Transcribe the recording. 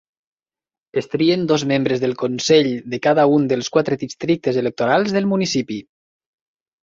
Es trien dos membres del consell de cada un dels quatre districtes electorals del municipi.